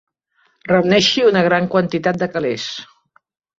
Reuneixi una gran quantitat de calés.